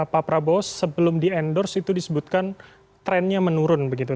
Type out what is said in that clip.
pak prabowo sebelum di endorse itu disebutkan trennya menurun begitu